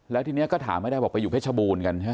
แล้วทีนี้ก็ถามไม่ได้บอกไปอยู่เพชรบูรณ์กันใช่ไหม